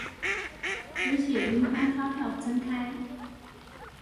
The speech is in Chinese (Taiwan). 而且雲端發票增開